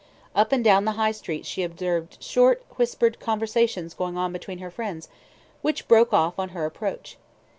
Up and down the High Street she observed short whispered conversations going on between her friends, which broke off on her approach.